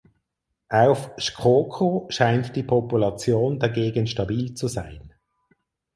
Auf Shikoku scheint die Population dagegen stabil zu sein.